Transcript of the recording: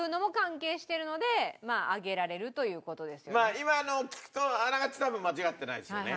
まあ今のを聞くとあながち多分間違ってないですよね。